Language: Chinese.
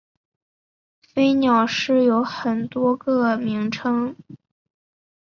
飞鸟寺有很多个名称。